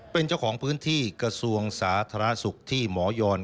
เป็นเจ้าของพื้นที่กระทรวงสาธารณสุขที่หมอยอน